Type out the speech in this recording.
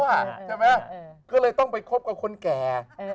ใช่ไหมก็เลยต้องไปคบกับคนแก่